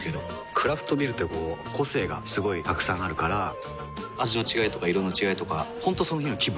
クラフトビールってこう個性がすごいたくさんあるから味の違いとか色の違いとか本当その日の気分。